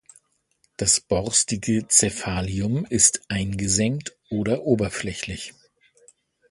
Das borstige Cephalium ist eingesenkt oder oberflächlich.